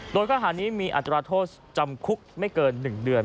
โดยข้อหานี้มีอัตราโทษจำคุกไม่เกิน๑เดือน